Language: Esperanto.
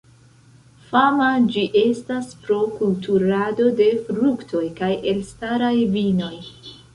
Fama ĝi estas pro kulturado de fruktoj kaj elstaraj vinoj.